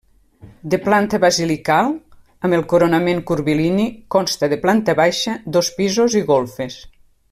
De planta basilical amb el coronament curvilini, consta de planta baixa, dos pisos i golfes.